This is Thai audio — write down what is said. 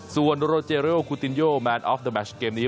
ส่วนโรเจโรคูตินโยแมนออฟเดอร์แมชเกมนี้